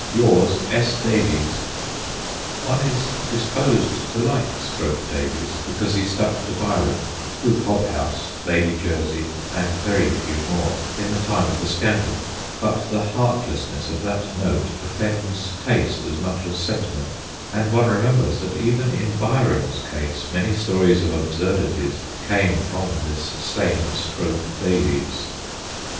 Yours, S. Davies.' One is disposed to like Scrope Davies because he stuck to Byron, with Hobhouse, Lady Jersey, and very few more, in the time of the scandal, but the heartlessness of that note offends taste as much as sentiment, and one remembers that even in Byron's case many stories of absurdities came from this same Scrope Davies.